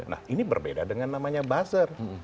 nah ini berbeda dengan namanya buzzer